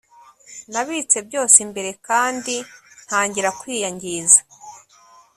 nabitse byose imbere kandi ntangira kwiyangiza